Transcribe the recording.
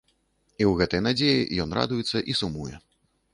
І ў гэтай надзеі ён радуецца і сумуе.